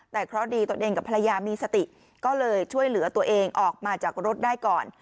แต่เคราะห์ดีตนเองกับภรรยามีสติก็เลยช่วยเหลือตัวเองออกมาจากรถได้ก่อน